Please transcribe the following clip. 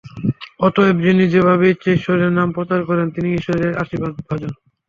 অতএব যিনি যেভাবে ইচ্ছা ঈশ্বরের নাম প্রচার করেন, তিনিই ঈশ্বরের আশীর্বাদভাজন।